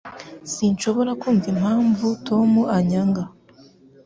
Sinshobora kumva impamvu Tom anyanga